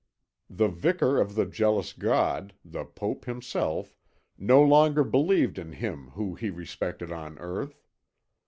The Vicar of the jealous God, the Pope himself, no longer believed in Him whom he represented on earth.